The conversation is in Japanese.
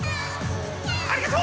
ありがとう！